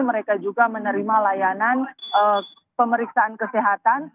mereka juga menerima layanan pemeriksaan kesehatan